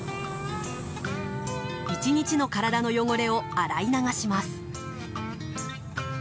１日の体の汚れを洗い流します。